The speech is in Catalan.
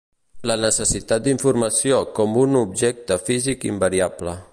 La necessitat d’informació com un objecte físic invariable.